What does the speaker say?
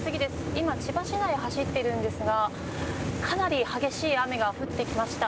今、千葉市内を走っているんですがかなり激しい雨が降ってきました。